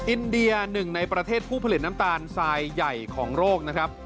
อินเดียหนึ่งในประเทศผู้ผลิตน้ำตาลทรายใหญ่ของโลกนะครับ